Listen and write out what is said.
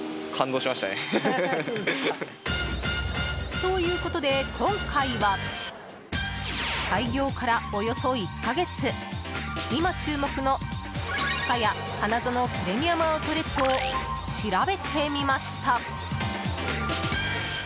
ということで、今回は開業からおよそ１か月今注目の、ふかや花園プレミアム・アウトレットを調べてみました。